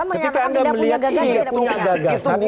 ketika anda melihat ini